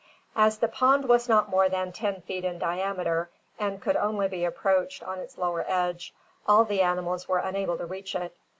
As the pond was not more than ten feet in diameter, and could only be approached on its lower edge, all the animals were unable to reach it.